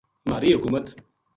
مھاری حکومت